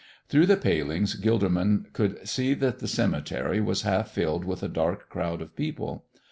Through the palings Gilderman could see that the cemetery was half filled with a dark crowd of people.